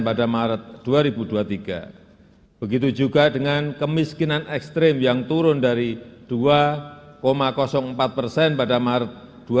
pada maret dua ribu dua puluh tiga begitu juga dengan kemiskinan ekstrim yang turun dari dua empat persen pada maret dua ribu dua puluh